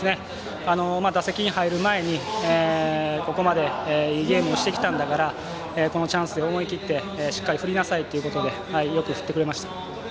打席に入る前にここまでいいゲームをしてきたんだからこのチャンスで思い切ってしっかり振りなさいということでよく振ってくれました。